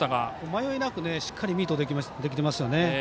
迷いなくしっかりミートできてましたね。